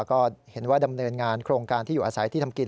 ก็เห็นว่าดำเนินงานโครงการที่อยู่อาศัยที่ทำกิน